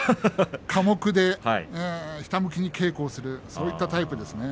寡黙でひたむきに稽古をするそういったタイプですね。